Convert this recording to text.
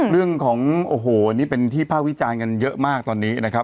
เรื่องของโอ้โหนี่เป็นที่ภาควิจารณ์กันเยอะมากตอนนี้นะครับ